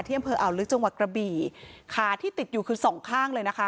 อำเภออ่าวลึกจังหวัดกระบี่ขาที่ติดอยู่คือสองข้างเลยนะคะ